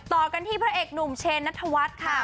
ต่อกันที่พระเอกหนุ่มเชนนัทวัฒน์ค่ะ